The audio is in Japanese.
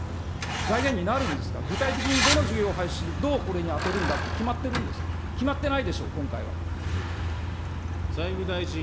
財源になるんですか、具体的にどの事業を廃止、どうこれに充てるんだって決まってるんですか、決まってないでしょう、今回は。